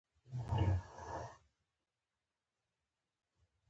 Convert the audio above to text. هغې په ترخه موسکا وویل نو ته یې په لیدو ولې داسې سره شوې؟